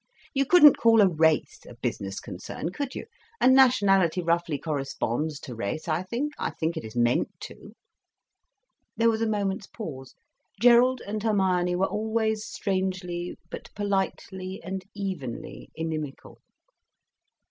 "You couldn't call a race a business concern, could you?—and nationality roughly corresponds to race, I think. I think it is meant to." There was a moment's pause. Gerald and Hermione were always strangely but politely and evenly inimical.